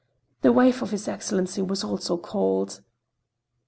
The wife of his Excellency was also called.